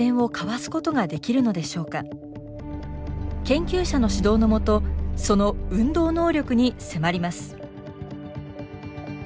研究者の指導のもとその運動能力に迫ります。